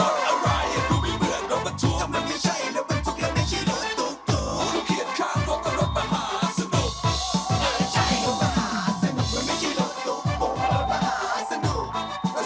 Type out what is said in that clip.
กลับสู่รถมหาสนุกค่ะและนี่คือแจ็กพอร์ตมหาสนุก